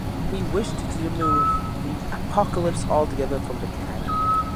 He wished to remove the Apocalypse altogether from the canon.